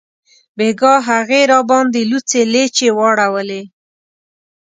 بیګاه هغې راباندې لوڅې لیچې واړولې